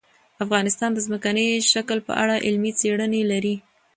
افغانستان د ځمکنی شکل په اړه علمي څېړنې لري.